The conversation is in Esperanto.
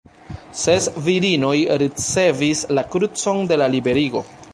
Ses virinoj ricevis la krucon de la Liberigo.